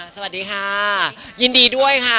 สวัสดีค่ะยินดีด้วยค่ะ